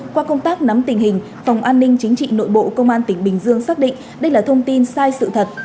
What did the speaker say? qua công tác nắm tình hình phòng an ninh chính trị nội bộ công an tỉnh bình dương xác định đây là thông tin sai sự thật